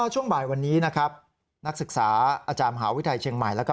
ช่วงบ่ายวันนี้นะครับนักศึกษาอาจารย์มหาวิทยาลัยเชียงใหม่แล้วก็